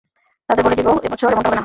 তাদের বলে দিব এবছর এমনটা হবে না।